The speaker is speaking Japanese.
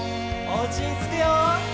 おうちにつくよ。